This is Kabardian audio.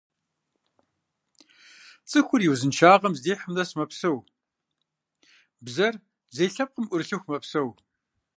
Цӏыхур и узыншагъэм здихьым нэс мэпсэу, бзэр зей лъэпкъым ӏурылъыху мэпсэу.